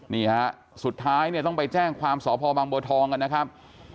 นี่ฮะสุดท้ายเนี่ยต้องไปแจ้งความสพบางบัวทองกันนะครับ